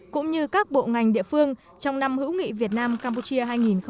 cũng như các bộ ngành địa phương trong năm hữu nghị việt nam campuchia hai nghìn một mươi chín